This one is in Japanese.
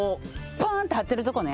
パーン！って張ってるとこね。